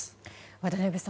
渡辺さん